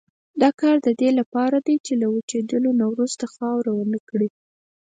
دا کار د دې لپاره دی چې له وچېدلو وروسته خاوره ونه کړي.